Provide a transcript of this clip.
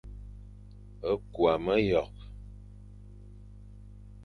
Küa meyokh,